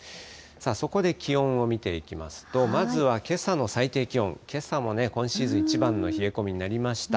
そこで気温を見ていきますと、まずはけさの最低気温、けさも今シーズン一番の冷え込みになりまし